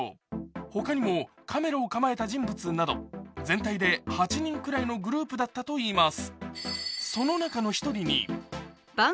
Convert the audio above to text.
他にもカメラを構えた人物など全体で８人くらいのグループだったといいます。